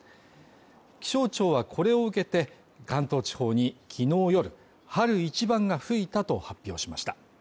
気象庁はこれを受けて、関東地方にきのう夜、春一番が吹いたと発表しました。